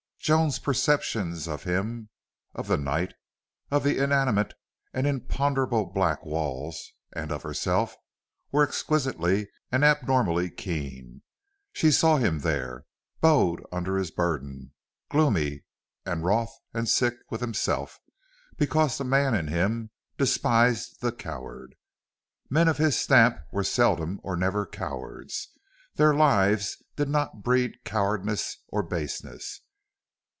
Joan's perceptions of him, of the night, of the inanimate and imponderable black walls, and of herself, were exquisitely and abnormally keen. She saw him there, bowed under his burden, gloomy and wroth and sick with himself because the man in him despised the coward. Men of his stamp were seldom or never cowards. Their lives did not breed cowardice or baseness.